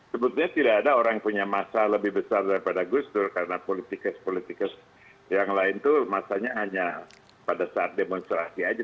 sebetulnya tidak ada orang yang punya masa lebih besar daripada gus dur karena politikus politikus yang lain itu masanya hanya pada saat demonstrasi aja